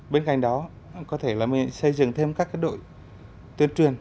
bên cạnh đó có thể là mình xây dựng thêm các đội tuyên truyền